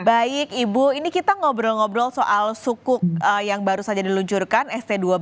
baik ibu ini kita ngobrol ngobrol soal sukuk yang baru saja diluncurkan st dua belas